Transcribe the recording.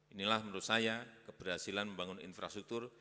inilah menurut saya keberhasilan membangun infrastruktur